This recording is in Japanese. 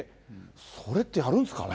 それってやるんですかね？